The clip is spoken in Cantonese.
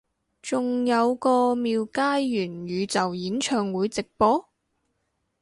仲有個廟街元宇宙演唱會直播？